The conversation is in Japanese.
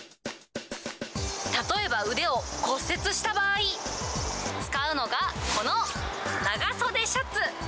例えば腕を骨折した場合、使うのが、この長袖シャツ。